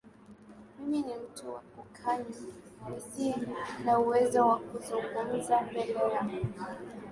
mimi ni mtu wa kukaa nyuma nisiye na uwezo wa kuzungumza mbele ya